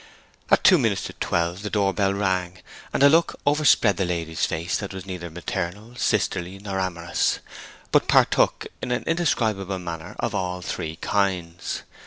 At two minutes to twelve the door bell rang, and a look overspread the lady's face that was neither maternal, sisterly, nor amorous; but partook in an indescribable manner of all three kinds.